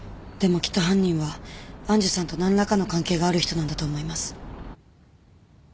でもきっと犯人は愛珠さんと何らかの関係がある人なんだと思います。